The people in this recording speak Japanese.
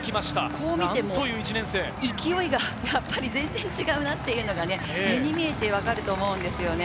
こう見てもやっぱり勢いが全然違うなっていうのが目に見えて分かると思うんですよね。